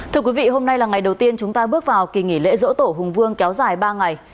thưa quý vị hôm nay là ngày đầu tiên chúng ta bước vào kỳ nghỉ lễ dỗ tổ hùng vương kéo dài ba ngày